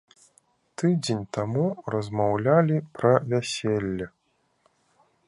Тыдзень таму размаўлялі пра вяселле!